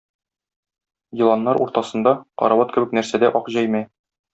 Еланнар уртасында, карават кебек нәрсәдә ак җәймә.